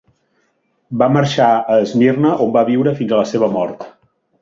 Va marxar a Esmirna on va viure fins a la seva mort.